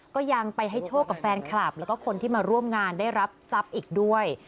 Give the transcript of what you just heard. ก็ยังไปให้โชคกับแฟนคลับแล้วก็คนที่มาร่วมงานได้รับทรัพย์อีกด้วย